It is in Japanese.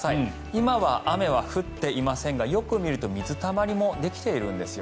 今は雨は降っていませんがよく見ると水たまりもできているんです。